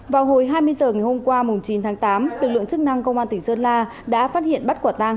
vào hồi hai mươi h ngày hôm qua chín tháng tám lực lượng chức năng công an tỉnh sơn la đã phát hiện bắt quả tang